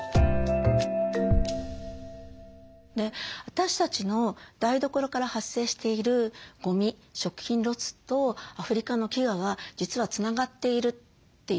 私たちの台所から発生しているゴミ食品ロスとアフリカの飢餓は実はつながっているという。